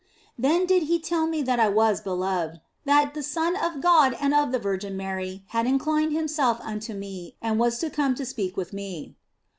Then did He tell me that I was beloved, that the Son of God and of the Virgin Mary had inclined Himself unto me and was come to speak with me.